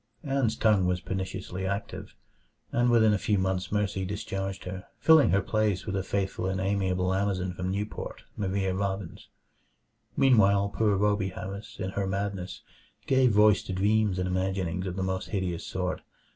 Ann's tongue was perniciously active, and within a few months Mercy discharged her, filling her place with a faithful and amiable Amazon from Newport, Maria Robbins. Meanwhile poor Rhoby Harris, in her madness, gave voice to dreams and imaginings of the most hideous sort.